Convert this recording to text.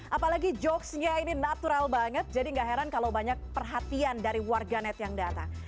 apalagi jokesnya ini natural banget jadi gak heran kalau banyak perhatian dari warganet yang datang